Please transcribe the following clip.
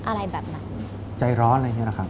อะไรแบบนั้น